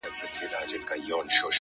• که په دې تعمیر کي هم عدالت نه وي ,